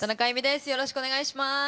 よろしくお願いします。